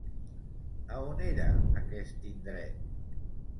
A on era aquest indret?